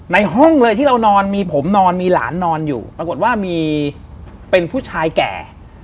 ในห้องเลยที่เรานอนมีผมนอนมีหลานนอนอยู่ปรากฏว่ามีเป็นผู้ชายแก่